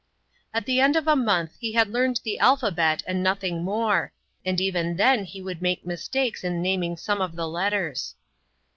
At the end of a month he had learned the alphabet and nothing more, and even then he would make mistakes in naming some of the letters.